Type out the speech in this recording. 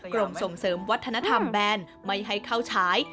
กรมส่งเสริมวัฒนธรรมแบนไม่ให้เข้าฉาย